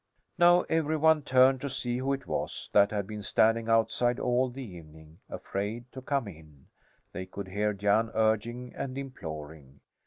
Now every one turned to see who it was that had been standing outside all the evening, afraid to come in. They could hear Jan urging and imploring.